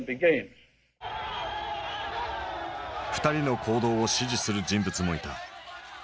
２人の行動を支持する人物もいた。